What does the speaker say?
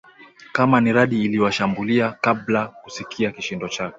Kama ni radi iliwashambulia kabla kusikia kishindo chake